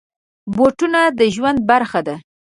بوټونه د ژوند برخه ده.